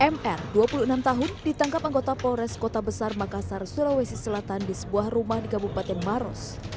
mr dua puluh enam tahun ditangkap anggota polres kota besar makassar sulawesi selatan di sebuah rumah di kabupaten maros